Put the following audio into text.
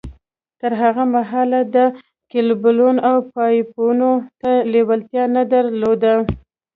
تر هغه مهاله ده کېبلو او پایپونو ته لېوالتیا نه در لوده